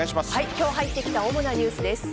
今日入ってきた主なニュースです。